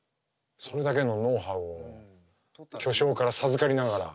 それだけのノウハウを巨匠から授かりながらみすみす。